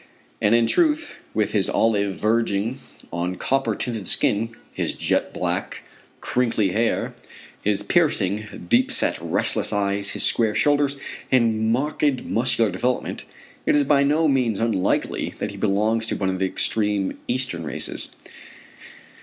And, in truth, with his olive, verging on copper tinted skin, his jet black, crinkly hair, his piercing, deep set, restless eyes, his square shoulders and marked muscular development, it is by no means unlikely that he belongs to one of the extreme Eastern races.